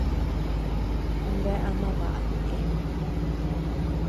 Un bea ama baʼa ñeʼë.